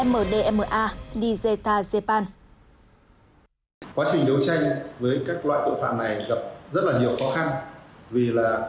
vì thế giá của tội phạm này gặp rất nhiều khó khăn